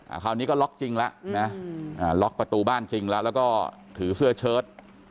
คราวนี้ก็ล็อกจริงแล้วนะล็อกประตูบ้านจริงแล้วแล้วก็ถือเสื้อเชิด